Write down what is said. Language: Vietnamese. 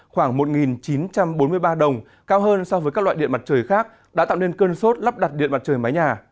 khoảng một chín trăm bốn mươi ba đồng cao hơn so với các loại điện mặt trời khác đã tạo nên cơn sốt lắp đặt điện mặt trời mái nhà